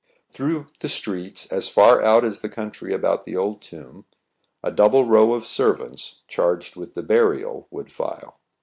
Through the streets, as far out as the country about the old tomb, a double row of servants, charged with the burial, would file.